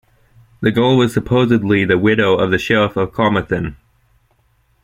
The girl was supposedly the widow of the sheriff of Carmarthen.